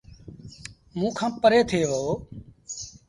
موݩ کآݩ پري ٿئي وهو۔